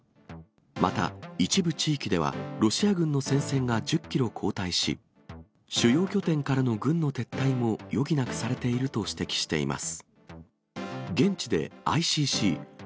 また、一部地域では、ロシア軍の戦線が１０キロ後退し、主要拠点からの軍の撤退も余儀なくされていると指摘しています。